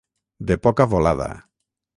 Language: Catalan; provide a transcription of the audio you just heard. De poca volada.